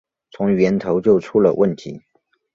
从源头就出了问题